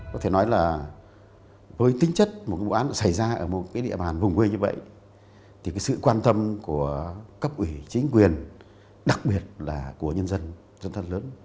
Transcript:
có thể nói là với tính chất một vụ án xảy ra ở một cái địa bàn vùng quê như vậy thì sự quan tâm của cấp ủy chính quyền đặc biệt là của nhân dân rất là lớn